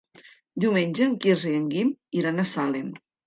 Diumenge en Quirze i en Guim iran a Salem.